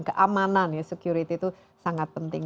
keamanan ya security itu sangat penting